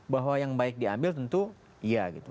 bahwa yang baik diambil tentu iya gitu